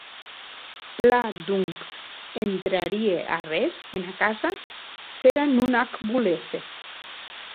Plan, donc, entrarie arrés ena casa s’era non ac volesse?